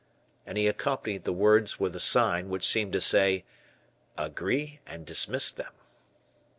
And he accompanied the words with a sign, which seemed to say, "Agree, and dismiss them."